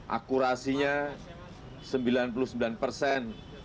akurasinya sembilan puluh sembilan persen